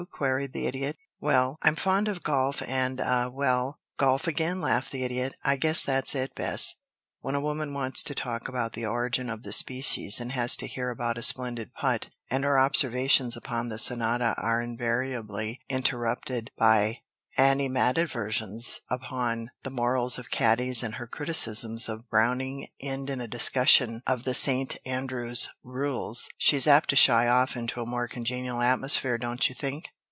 queried the Idiot. [Illustration: "'WELL, I'M FOND OF GOLF'"] "Well, I'm fond of golf and ah well " "Golf again," laughed the Idiot. "I guess that's it, Bess. When a woman wants to talk about the origin of the species and has to hear about a splendid putt, and her observations upon the sonata are invariably interrupted by animadversions upon the morals of caddies, and her criticisms of Browning end in a discussion of the St. Andrew's Rules, she's apt to shy off into a more congenial atmosphere, don't you think?"